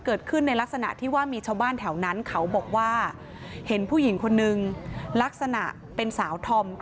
เกิดขึ้นในลักษณะที่ว่ามีชาวบ้านแถวนั้นเขาบอกว่าเห็นผู้หญิงคนนึงลักษณะเป็นสาวธอม